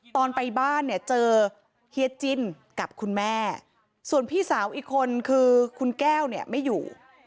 ตอนไปบ้านเนี่ยเจอเฮียจินกับคุณแม่ส่วนพี่สาวอีกคนคือคุณแก้วเนี่ยไม่อยู่